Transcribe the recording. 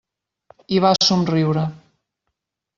I va somriure.